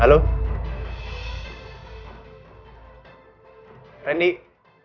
tidak kita kaget nah